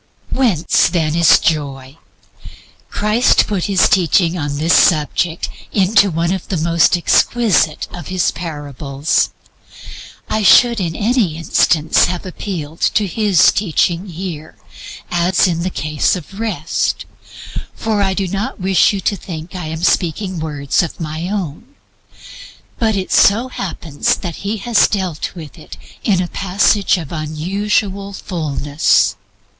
Whence, then, is joy? Christ put His teaching upon this subject into one of the most exquisite of His parables. I should in any instance have appealed to His teaching here, as in the case of Rest, for I do not wish you to think I am speaking words of my own. But it so happens that He has dealt with it in words of unusual fullness.